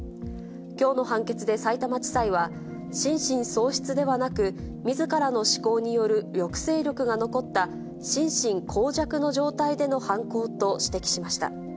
きょうの判決でさいたま地裁は、心神喪失ではなく、みずからの思考による抑制力が残った心神耗弱の状態での犯行と指摘しました。